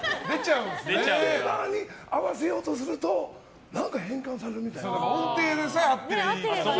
あのバーに合わせようとすると何か変換されるみたい。